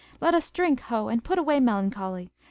Let us drink, ho, and put away melancholy!